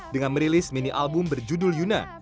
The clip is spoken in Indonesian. dengan merilis mini album berjudul yuna